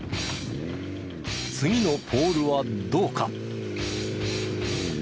次のポールはどうか？